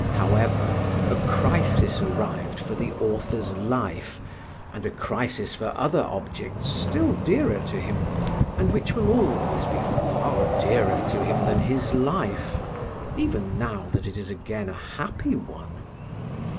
However, a crisis arrived for the author's life, and a crisis for other objects still dearer to him—and which will always be far dearer to him than his life, even now that it is again a happy one.